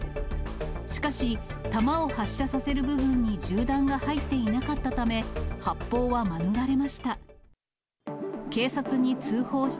しかし、弾を発射させる部分に銃弾が入っていなかったため、発砲は免れました。